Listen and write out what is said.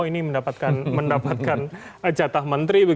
ini mendapatkan jatah menteri